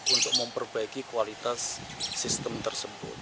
untuk memperbaiki kualitas sistem tersebut